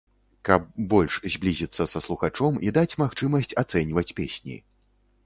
Каб больш зблізіцца са слухачом і даць магчымасць ацэньваць песні.